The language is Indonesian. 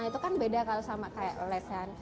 itu kan beda kalau sama kayak lesehan